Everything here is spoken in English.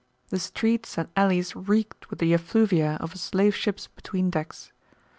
The streets and alleys reeked with the effluvia of a slave ship's between decks.